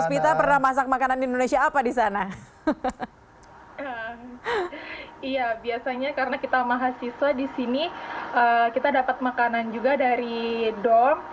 biasanya karena kita mahasiswa di sini kita dapat makanan juga dari dom